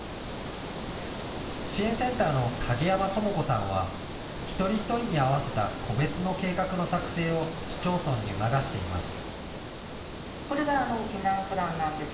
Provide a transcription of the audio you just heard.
支援センターの景山朋子さんは一人一人に合わせた個別の計画の作成を市町村に促しています。